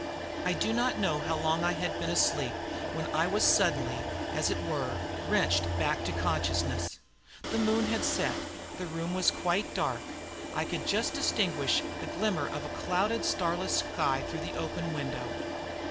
I do not know how long I had been asleep, when I was suddenly, as it were, wrenched back to consciousness. The moon had set, the room was quite dark; I could just distinguish the glimmer of a clouded, starless sky through the open window.